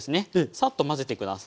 サッと混ぜて下さい。